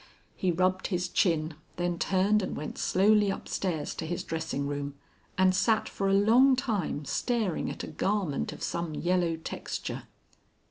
He rubbed his chin, then turned and went slowly upstairs to his dressing room, and sat for a long time staring at a garment of some yellow texture.